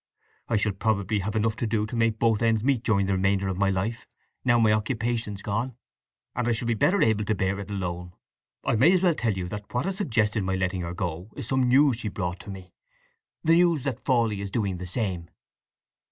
I shall probably have enough to do to make both ends meet during the remainder of my life, now my occupation's gone; and I shall be better able to bear it alone. I may as well tell you that what has suggested my letting her go is some news she brought me—the news that Fawley is doing the same."